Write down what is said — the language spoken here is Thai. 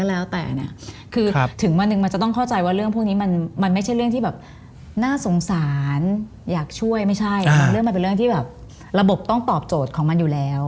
เรื่องมันเป็นเรื่องที่แบบระบบต้องตอบโจทย์ของมันอยู่แล้ว